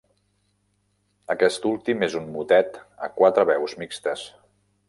Aquest últim és un motet a quatre veus mixtes.